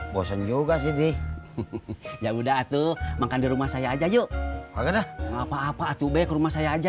bosen juga sih di ya udah tuh makan di rumah saya aja yuk apa apa atube ke rumah saya aja